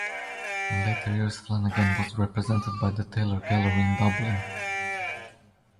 In later years Flanagan was represented by the Taylor Gallery in Dublin.